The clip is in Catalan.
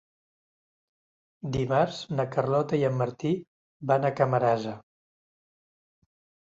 Dimarts na Carlota i en Martí van a Camarasa.